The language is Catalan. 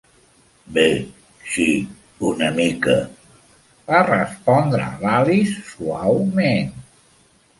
"Bé, sí, una mica", va respondre l'Alice suaument.